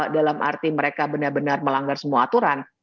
dalam arti mereka benar benar melanggar semua aturan